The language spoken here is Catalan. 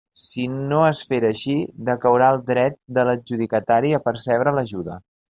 Si no es fera així, decaurà el dret de l'adjudicatari a percebre l'ajuda.